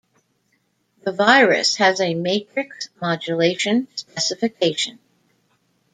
The Virus has a Matrix Modulation specification.